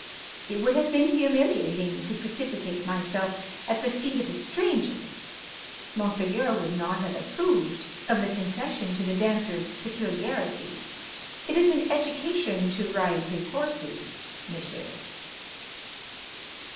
It would have been humiliating to precipitate myself at the feet of a stranger. Monseigneur would not have approved of the concession to The Dancer's peculiarities. It is an education to ride his horses, Monsieur."